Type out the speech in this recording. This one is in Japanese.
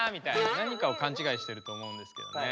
なにかをかんちがいしてると思うんですけどね。